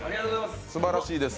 すばらしいです。